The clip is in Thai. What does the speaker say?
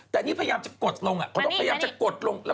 แต่อันนี้พยายามจะกดลง